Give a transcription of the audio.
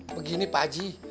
begini pak aji